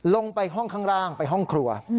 ลงไปห้องข้างล่างไปห้องครัว